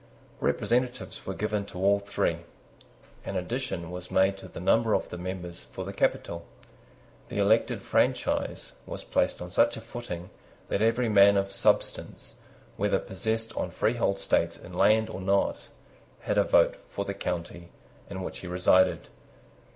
Representatives were given to all three. An addition was made to the number of the members for the capital. The elective franchise was placed on such a footing that every man of substance, whether possessed of freehold estates in land or not, had a vote for the county in which he resided.